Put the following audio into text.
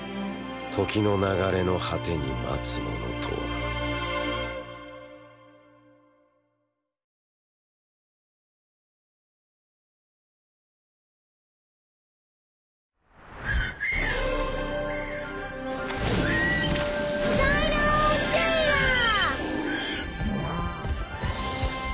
時の流れの果てに待つものとは「デイナの恐竜図鑑」。